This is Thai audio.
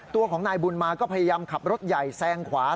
ตัวของนายบุญมาก็พยายามขับรถใหญ่แซงขวา